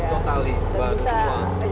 totali baru semua